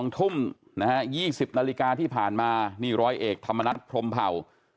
๒ทุ่มนะฮะ๒๐นาฬิกาที่ผ่านมานี่ร้อยเอกธรรมนัฐพรมเผ่า